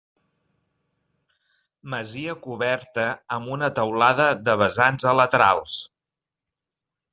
Masia coberta amb una teulada de vessants a laterals.